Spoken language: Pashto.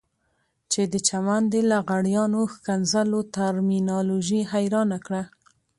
چې د چمن د لغړیانو ښکنځلو ترمینالوژي حيرانه کړه.